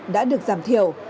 đã được giảm thiểu